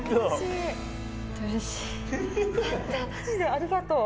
ありがとう。